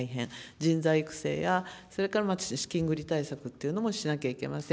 人材育成や、それから資金繰り対策というのもしなきゃいけません。